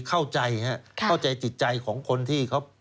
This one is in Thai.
เข้าใจจิตใจของคนที่